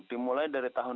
dimulai dari tahun dua ribu